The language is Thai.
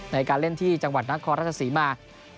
ในการเล่นที่จังหวัดนครราชศรีมา